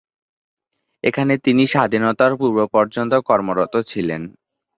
এখানে তিনি স্বাধীনতার পূর্ব পর্যন্ত কর্মরত ছিলেন।